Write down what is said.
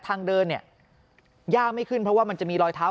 ทางเดินเนี่ยยากไม่ขึ้นเพราะว่ามันจะมีรอยเท้า